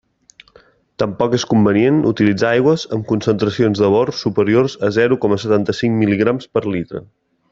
Tampoc és convenient utilitzar aigües amb concentracions de bor superiors a zero coma setanta-cinc mil·ligrams per litre.